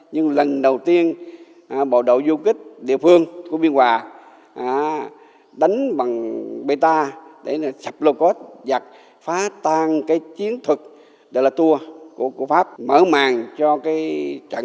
nhưng lần đầu tiên bộ đội du kích địa phương của biên hòa